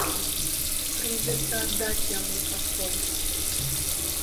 Прыйдзецца аддаць яму пакой.